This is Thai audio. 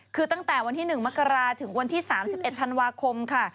คือตั้งแต่วันที่๑มกราถึงวันที่๓๑ธันวาคมค่ะ